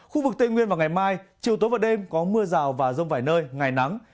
khu vực tây nguyên vào ngày mai chiều tối và đêm có mưa rào và rông vài nơi ngày nắng